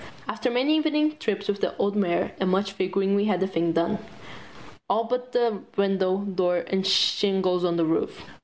After many evening trips with the old mare and much figuring we had the thing done, all but the windows, door, and shingles on the roof.